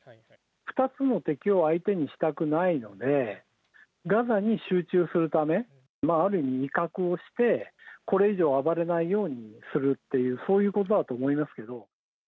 ２つの敵を相手にしたくないのでガザに集中するためある意味威嚇をしてこれ以上暴れないようにするっていうそういうことだと思いますけど。